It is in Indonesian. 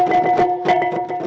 ya tidak ada masalah